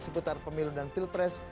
seputar pemilu dan tilpres